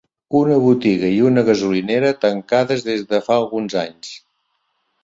Una botiga i una gasolinera tancades des de fa alguns anys.